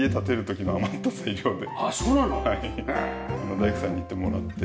大工さんに言ってもらって。